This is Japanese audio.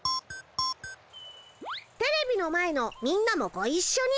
テレビの前のみんなもごいっしょに。